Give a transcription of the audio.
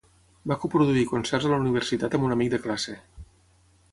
Va coproduir concerts a la universitat amb un amic de classe.